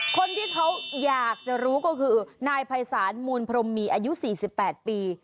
คนที่เขาอยากจะรู้ก็คือนายภัยศาลมูลพรมมีอายุ๔๘ปี